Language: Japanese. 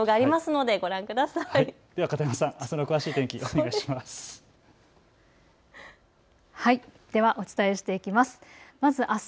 では片山さん、あしたの詳しい天気をお願いします。